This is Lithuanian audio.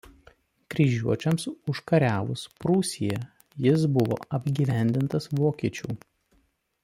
Kryžiuočiams užkariavus Prūsiją jis buvo apgyvendintas vokiečių.